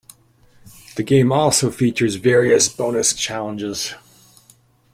The game also features various Bonus Challenges.